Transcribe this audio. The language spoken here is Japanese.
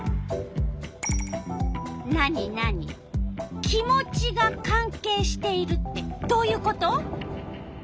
なになに「気持ちが関係している」ってどういうこと？